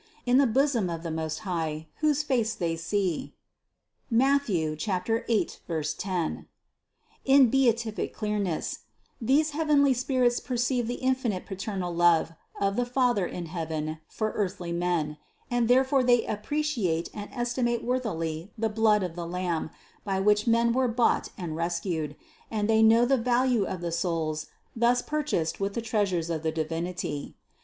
In the bosom of the Most High, whose face they see (Matth. 8, 10) in beatific clearness, these heavenly spirits perceive the infinite pa ternal love of the Father in heaven for earthly men, and therefore they appreciate and estimate worthily the blood of the Lamb, by which men were bought and rescued, and they know the value of the souls thus purchased with the treasures of the Divinity.